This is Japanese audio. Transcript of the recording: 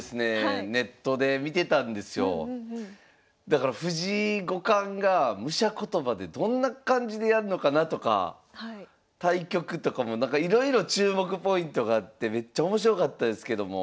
だから藤井五冠が武者言葉でどんな感じでやるのかなとか対局とかもなんかいろいろ注目ポイントがあってめっちゃ面白かったですけども。